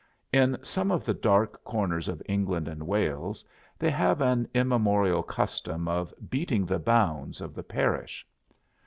In some of the dark corners of England and Wales they have an immemorial custom of "beating the bounds" of the parish.